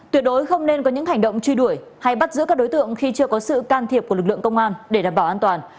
tuyệt đối không nên có những hành động truy đuổi hay bắt giữ các đối tượng khi chưa có sự can thiệp của lực lượng công an để đảm bảo an toàn